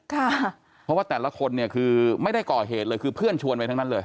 เพราะว่าแต่ละคนเนี่ยคือไม่ได้ก่อเหตุเลยคือเพื่อนชวนไปทั้งนั้นเลย